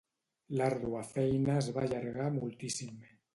L'àrdua feina es va allargar moltíssim.